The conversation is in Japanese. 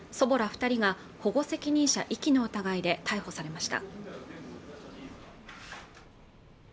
二人が保護責任者遺棄の疑いで逮捕されました